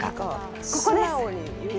ここです。